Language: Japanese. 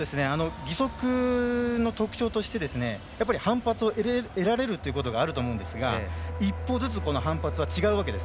義足の特徴として反発を得られるということがあると思うんですが一歩ずつこの反発は違うわけです。